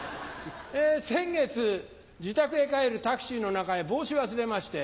先月自宅へ帰るタクシーの中へ帽子忘れまして。